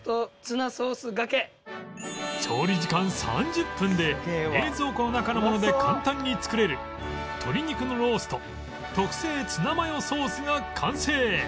調理時間３０分で冷蔵庫の中のもので簡単に作れる鶏肉のロースト特製ツナマヨソースが完成！